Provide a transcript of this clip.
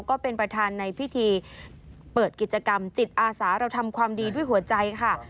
ก็เป็นประธานในพิธีเปิดกิจกรรมจิตอาสาเราทำความดีด้วยหัวใจค่ะ